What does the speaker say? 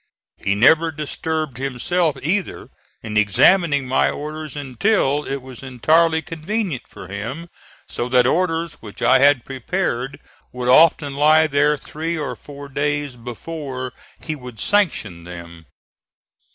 He never disturbed himself, either, in examining my orders until it was entirely convenient for him; so that orders which I had prepared would often lie there three or four days before he would sanction them.